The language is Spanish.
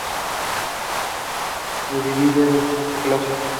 Se divide en cinco clases.